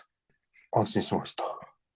安心しました。